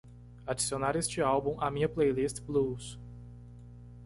adicionar este álbum à minha playlist Blues